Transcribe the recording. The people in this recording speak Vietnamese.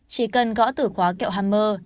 chỉ cần gõ tử khóa kẹo hammer